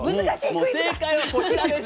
もう正解はこちらです。